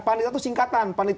panitera tuh singkatan